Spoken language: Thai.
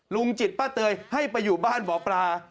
ลุงจิตป้าเตยให้ไปอยู่บ้านหมอปลา